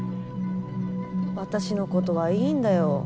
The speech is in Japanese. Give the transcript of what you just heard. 私のことはいいんだよ。